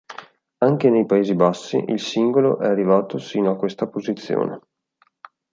Anche nei Paesi Bassi il singolo è arrivato sino a questa posizione.